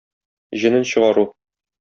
Җенен чыгару.